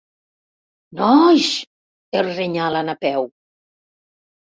Noooois! —els renyà la Napeu.